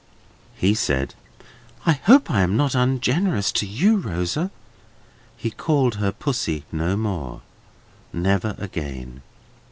He said, "I hope I am not ungenerous to you, Rosa." He called her Pussy no more. Never again.